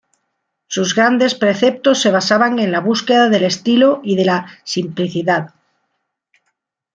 Sus grandes preceptos se basaban en la búsqueda del estilo y de la simplicidad.